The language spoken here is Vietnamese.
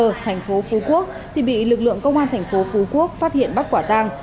ở thành phố phú quốc thì bị lực lượng công an thành phố phú quốc phát hiện bắt quả tang